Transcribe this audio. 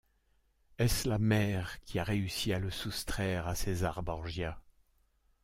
Est-ce la mère qui a réussi à le soustraire à César Borgia?